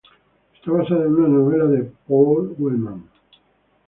Está basada en una novela de Paul Wellman.